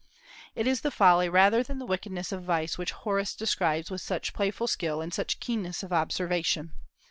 It is the folly rather than the wickedness of vice which Horace describes with such playful skill and such keenness of observation.